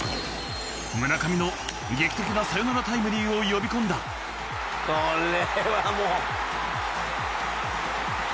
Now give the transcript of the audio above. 村上の劇的なサヨナラタイムリーをこれはもう。